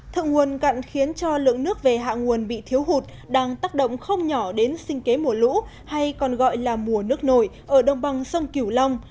thượng nguồn cạn khiến cho lượng nước về hạ nguồn bị thiếu hụt đang tác động không nhỏ đến sinh kế mùa lũ hay còn gọi là mùa nước nổi ở đồng bằng sông kiểu long